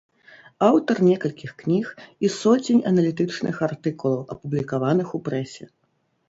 Аўтар некалькіх кніг і соцень аналітычных артыкулаў, апублікаваных у прэсе.